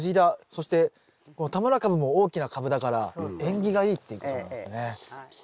そしてこの田村かぶも大きなカブだから縁起がいいっていうことなんですね。